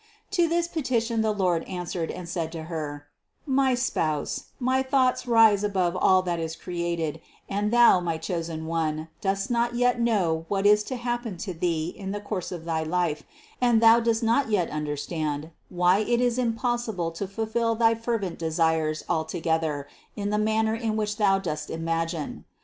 To this petition the Lord answered and said to Her: "My Spouse, my thoughts rise above all that is created, and thou, my chosen one, dost not yet know what is to hap pen to thee in the course of thy life, and thou dost not yet understand why it is impossible to fulfill thy fervent de sires altogether in the manner in which thou now dost imagine.